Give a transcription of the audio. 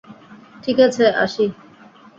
ঠিক আছে, আসি।